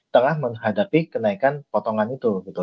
tengah menghadapi kenaikan potongan itu